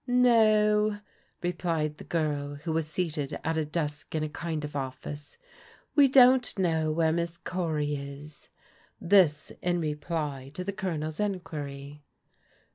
*' No," replied the girl who was seated at a desk in a land of office, "we don't know where Miss Cory is^^ This in repiy to the Colonel's enquiry.